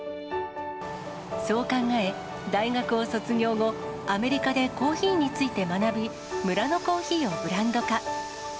そう考え、大学を卒業後、アメリカでコーヒーについて学び、村のコーヒーをブランド化。